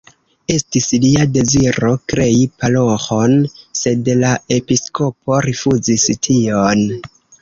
Estis lia deziro krei paroĥon, sed la episkopo rifuzis tion.